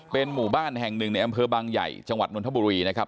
เป็นหมู่บ้านแห่งหนึ่งในอำเภอบางใหญ่จังหวัดนทบุรีนะครับ